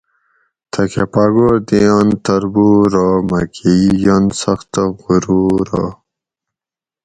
تھکہ پاۤگور دیئنت تربورہ مکۤہ ای ینت سختہ غرورا